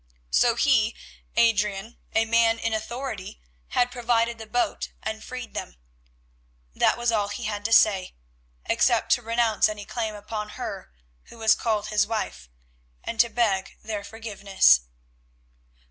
So he, Adrian, a man in authority, had provided the boat and freed them. That was all he had to say, except to renounce any claim upon her who was called his wife, and to beg their forgiveness.